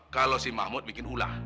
kalau si mahmud bikin ulah